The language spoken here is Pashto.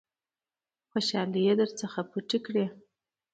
خوشالۍ در څخه پټې کړي .